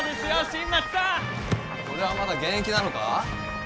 新町さん俺はまだ現役なのか？